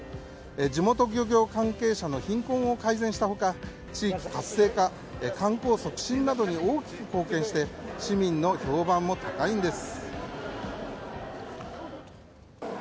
地元漁業関係者の貧困を改善した他地域活性化、観光促進などに大きく貢献して市民の評判も高いんです。